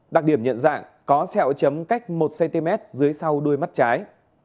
đặc điểm nhận dạng có xẹo chấm cách một cm dưới sau đuôi mắt trái